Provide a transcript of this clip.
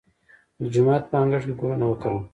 د جومات په انګړ کې ګلونه وکرم؟